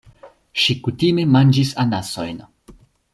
Ŝi kutime manĝis anasojn.